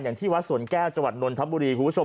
อย่างที่วัดสวนแก้วจังหวัดนนทบุรีคุณผู้ชม